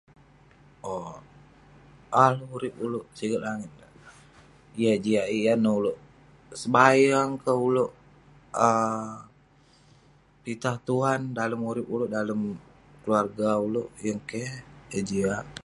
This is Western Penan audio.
Owk, hal urip oluek siget langit dak tah yah jiak yeng yah eh oluek sebayang keh oluek ah pitah tuhan dalem urip oluek dalem keluarga uleuk yeh keh eh jiak.